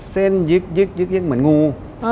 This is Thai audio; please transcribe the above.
เส้นยึกเหมือนงู